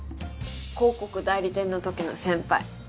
広告代理店のときの先輩